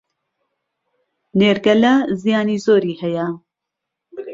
نێرگەلە زیانی زۆری هەیە